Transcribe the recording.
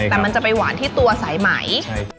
แต่มันจะไปหวานที่ตัวสายไหม